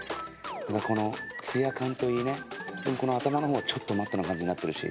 このツヤ感といいね頭のほうはちょっとマットな感じになってるし。